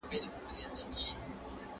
د بل په پرتوگ کونه نه پټېږي.